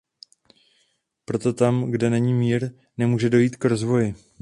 Proto tam, kde není mír, nemůže dojít k rozvoji.